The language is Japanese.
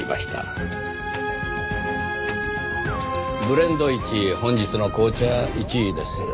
ブレンド１本日の紅茶１です。